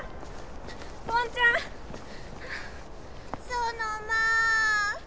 ソノマ！